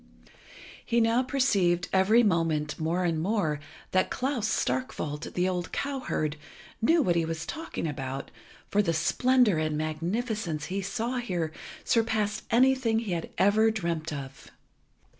He now perceived every moment more and more, that Klas Starkwolt, the old cowherd, knew what he was talking about, for the splendour and magnificence he saw here surpassed anything he had ever dreamt of.